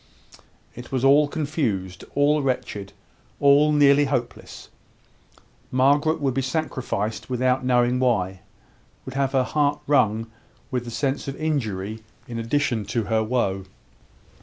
It was all confused all wretched all nearly hopeless. Margaret would be sacrificed without knowing why would have her heart wrung with the sense of injury in addition to her woe.